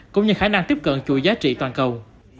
cũng như khả năng tiếp cận chuỗi giá trị toàn cầu